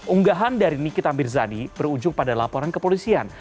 unggahan dari nikita mirzani berujung pada laporan kepolisian